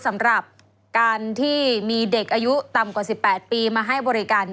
สำหรับการที่มีเด็กอายุต่ำกว่า๑๘ปีมาให้บริการ